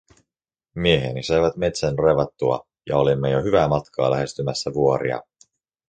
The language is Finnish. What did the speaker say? Mieheni saivat metsän raivattua ja olimme jo hyvää matkaa lähestymässä vuoria.